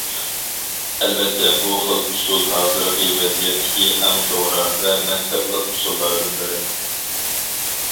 ئەلۋەتتە، بۇ خىل ئۇسۇل ھازىرقى ۋەزىيەتتىكى ئەڭ توغرا ۋە مەنتىقلىق ئۇسۇللاردىن بىرى.